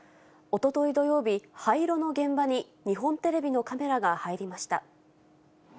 おととい土曜日、廃炉の現場に、日本テレビのカメラが入りました。